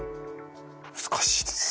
難しいです。